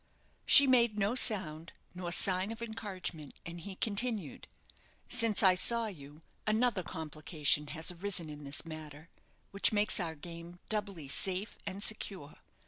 She made no sound nor sign of encouragement, and he continued. "Since I saw you, another complication has arisen in this matter, which makes our game doubly safe and secure.